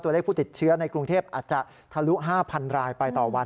ตัวเลขผู้ติดเชื้อในกรุงเทพอาจจะทะลุ๕๐๐รายไปต่อวัน